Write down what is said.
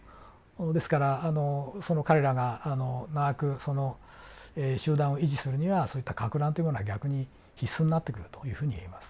ですからあのその彼らが長くその集団を維持するにはそういったかく乱っていうものは逆に必須になってくるというふうにいえます。